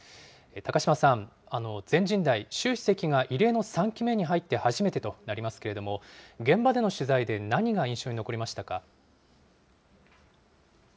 高島さん、全人代、習主席が異例の３期目に入って、初めてとなりますけれども、現場での取材で何が印象に残りましたか？